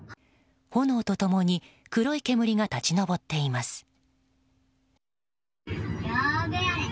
炎と共に黒い煙が立ち上っています。